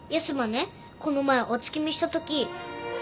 この前お月見したとき。